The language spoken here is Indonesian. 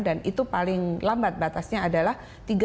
dan itu paling lambat batasnya adalah